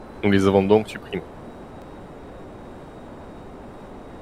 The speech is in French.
Nous les avons donc supprimés.